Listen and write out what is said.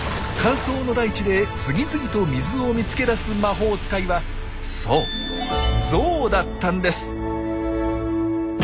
乾燥の大地で次々と水を見つけ出す魔法使いはそうゾウだったんです！